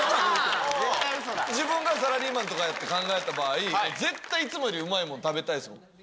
自分がサラリーマンとかって考えたときに、絶対いつもよりうまいもん食べたいですもん。